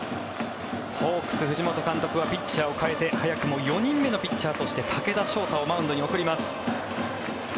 ホークス、藤本監督はピッチャーを代えて早くも４人目のピッチャーとして武田翔太をマウンドに送ります。